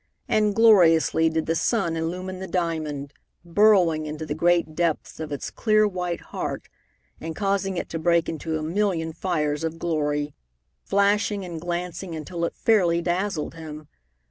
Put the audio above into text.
And gloriously did the sun illumine the diamond, burrowing into the great depths of its clear white heart, and causing it to break into a million fires of glory, flashing and glancing until it fairly dazzled him.